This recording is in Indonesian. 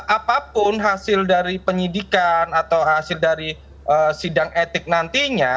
apapun hasil dari penyidikan atau hasil dari sidang etik nantinya